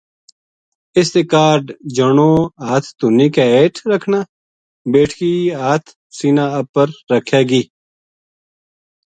اس تے کاہڈ جنو ہتھ تہنی کے ہیٹھ رکھنا، بیٹکی ہتھ سینہ اہر رکھے گی۔